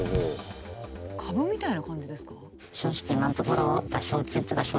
株みたいな感じですか？